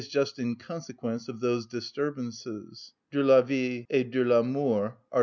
_, just in consequence of those disturbances (De la vie et de la mort, art.